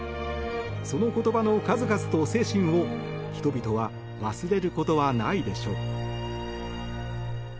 その言葉の数々と精神を人々は忘れることはないでしょう。